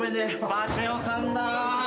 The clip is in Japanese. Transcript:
バチェ男さんだ。